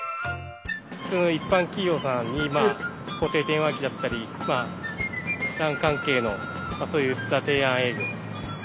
普通の一般企業さんに固定電話機だったりＬＡＮ関係のそういった提案営業を。